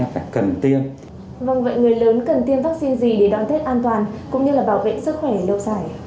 vâng vậy người lớn cần tiêm vaccine gì để đón tết an toàn cũng như là bảo vệ sức khỏe lâu dài